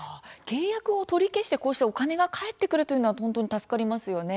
契約を取り消してこうしてお金が返ってくるというのは本当に助かりますよね。